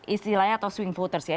istilahnya atau swing voters ya